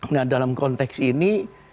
nah dalam konteks ini